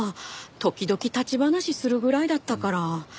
時々立ち話するぐらいだったから。